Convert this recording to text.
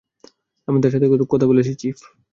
আমি তার সাথে কথা বলেছি, চিফ।